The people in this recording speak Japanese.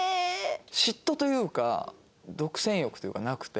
嫉妬というか独占欲というかなくて。